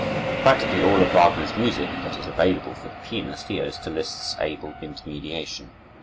Practically all of Wagner's music that is available for the pianist he owes to Liszt's able intermediation.